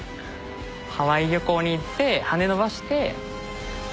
ハワイ旅行に行って羽伸ばしてそこで。